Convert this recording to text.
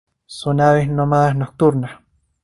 Son aves nómadas y nocturnas.